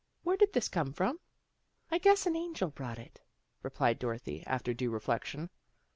" Where did this come from? "" I guess a angel brought it," replied Dorothy, after due reflection.